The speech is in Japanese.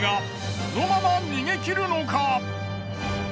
このまま逃げ切るのか？